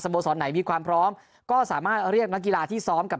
โบสรไหนมีความพร้อมก็สามารถเรียกนักกีฬาที่ซ้อมกับ